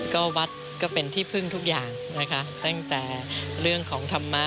ก็วัดก็เป็นที่พึ่งทุกอย่างนะคะตั้งแต่เรื่องของธรรมะ